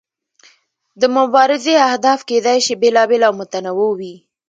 د مبارزې اهداف کیدای شي بیلابیل او متنوع وي.